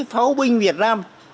pháo binh việt nam